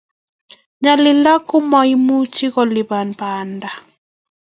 nyalilda komaimuchi kolipan panda a